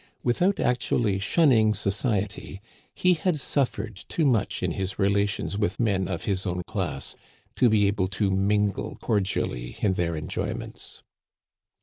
Without actually shunning society, he had suffered too much in his rela tions with men of his own class to be able to mingle cordially in their enjoyments.